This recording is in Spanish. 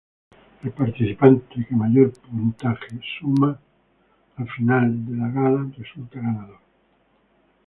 El participante que mayor puntaje sume al final de la gala resulta ganador.